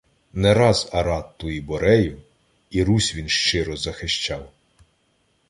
Не раз Аратту і Борею, І Русь він щиро захищав.